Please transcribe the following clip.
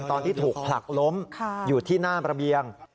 ตอนที่ถูกผลักล้มอยู่ที่หน้าระเบียง